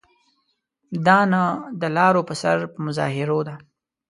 دا نه د لارو پر سر په مظاهرو ده.